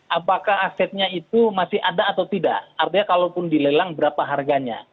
apakah asetnya itu masih ada atau tidak artinya kalaupun dilelang berapa harganya